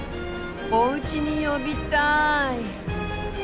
おうちに呼びたい。